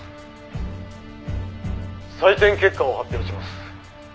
「採点結果を発表します。